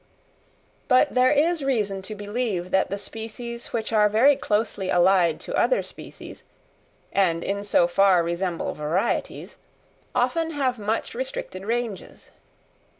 But there is reason to believe that the species which are very closely allied to other species, and in so far resemble varieties, often have much restricted ranges.